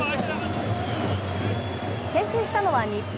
先制したのは日本。